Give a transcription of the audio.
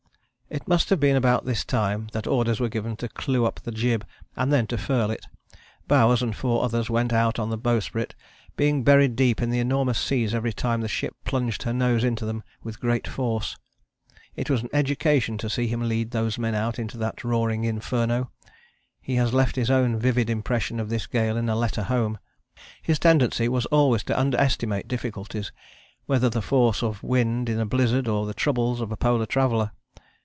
It must have been about this time that orders were given to clew up the jib and then to furl it. Bowers and four others went out on the bowsprit, being buried deep in the enormous seas every time the ship plunged her nose into them with great force. It was an education to see him lead those men out into that roaring inferno. He has left his own vivid impression of this gale in a letter home. His tendency was always to underestimate difficulties, whether the force of wind in a blizzard, or the troubles of a polar traveller.